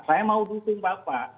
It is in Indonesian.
saya mau dukung pak